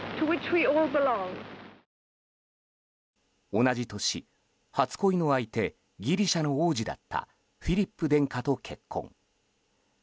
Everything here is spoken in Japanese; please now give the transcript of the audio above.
同じ年、初恋の相手ギリシャの王子だったフィリップ殿下と結婚。